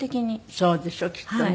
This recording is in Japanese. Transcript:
そうでしょうきっとね。